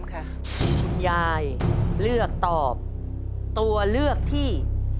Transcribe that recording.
คุณยายเลือกตอบตัวเลือกที่๔